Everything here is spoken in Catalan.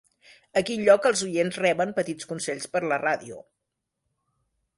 A quin lloc els oients reben petits consells per la ràdio.